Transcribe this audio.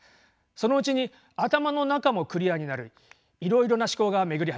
そのうちに頭の中もクリアになりいろいろな思考が巡り始めます。